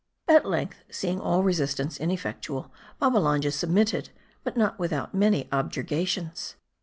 At length, seeing all resistance ineffectual, Babbalanja submitted ; but not without many objurgations.